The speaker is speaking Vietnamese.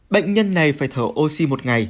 bệnh nhân này phải thở oxy một ngày